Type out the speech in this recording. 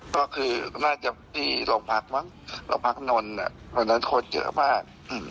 ก็คือน่าจะมีโรงพลักษณ์มั้งโรงพลักษณ์นนต์นั้นคนเยอะมาก